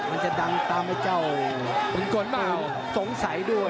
มันจะดังตามให้เจ้าสงสัยด้วย